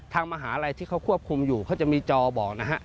มหาลัยที่เขาควบคุมอยู่เขาจะมีจอบอกนะฮะ